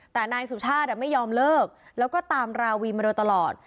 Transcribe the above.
แต่นายสุชาติไม่ยอมเลิกแล้วก็ตามราวีมาโดยตลอด